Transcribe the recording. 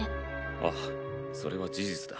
ああそれは事実だ。